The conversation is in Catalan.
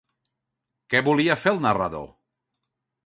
Què volia fer el narrador?